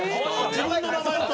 自分の名前と。